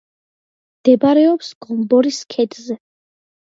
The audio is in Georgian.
მდებარეობს გომბორის ქედზე.